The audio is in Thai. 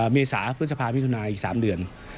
เมษาพฤษภามิถุนาอีก๓เดือน